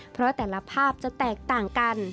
เพราะแต่ละภาพจะแตกต่างกัน